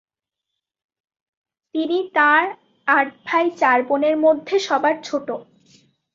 তিনি তাঁর আট ভাই চার বোনের মধ্যে সবার ছোট।